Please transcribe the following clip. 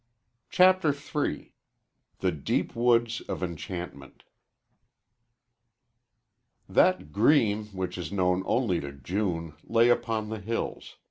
CHAPTER III THE DEEP WOODS OF ENCHANTMENT That green which is known only to June lay upon the hills.